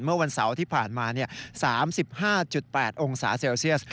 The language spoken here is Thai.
เมื่อวันเสาร์ที่ผ่านมา๓๕๘องศาเซลเซียส